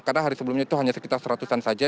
karena hari sebelumnya itu hanya sekitar seratusan saja